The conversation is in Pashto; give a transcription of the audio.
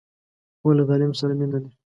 خور له تعلیم سره مینه لري.